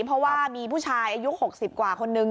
เพราะว่ามีผู้ชายอายุหกสี่ปีกว่าคนหนึ่ง